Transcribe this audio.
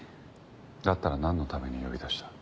だったらなんのために呼び出した？